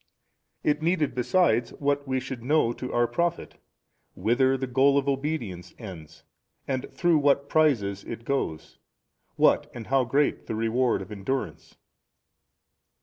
It needed besides what we should know to our profit, whither the goal of obedience ends and through what prizes it goes, what and how great the reward of endurance.